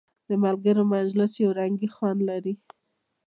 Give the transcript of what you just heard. د ملګرو مجلس یو رنګین خوند لري.